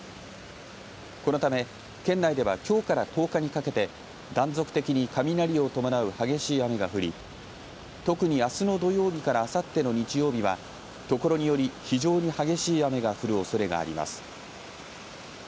このため県内ではきょうから１０日にかけて断続的に雷を伴う激しい雨が降り特にあすの土曜日からあさっての日曜日はところにより非常に激しい雨が降るおそれがあります。